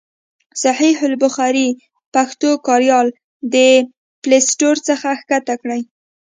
صحیح البخاري پښتو کاریال د پلای سټور څخه کښته کړئ.